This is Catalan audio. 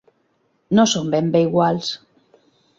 No són ben bé iguals.